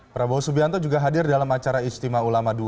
prabowo subianto juga hadir dalam acara istimewa ulama dua